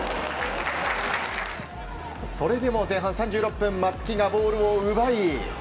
それでも前半３６分松木がボールを奪い